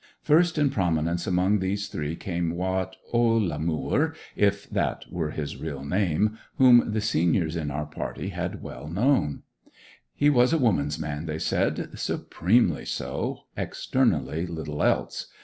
First in prominence among these three came Wat Ollamoor—if that were his real name—whom the seniors in our party had known well. He was a woman's man, they said,—supremely so—externally little else.